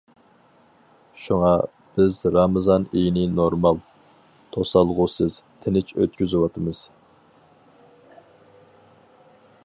شۇڭا، بىز رامىزان ئېيىنى نورمال، توسالغۇسىز، تىنچ ئۆتكۈزۈۋاتىمىز.